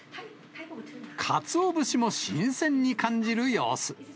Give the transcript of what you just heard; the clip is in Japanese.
かつお節も新鮮に感じる様子。